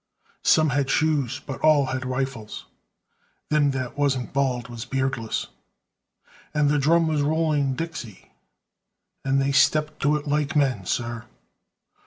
"Some had shoes, but all had rifles, Them that wasn't bald was beardless, And the drum was rolling 'Dixie,' And they stepped to it like men, sir!